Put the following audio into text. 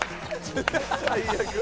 最悪。